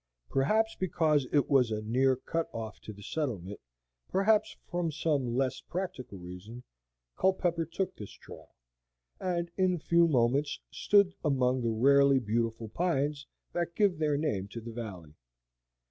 Perhaps because it was a near cut off to the settlement, perhaps from some less practical reason, Culpepper took this trail, and in a few moments stood among the rarely beautiful trees that gave their name to the valley.